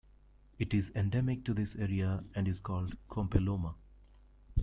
It is endemic to this area and is called Kompelloma.